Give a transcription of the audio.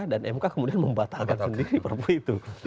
dan mk kemudian membatalkan sendiri perpu itu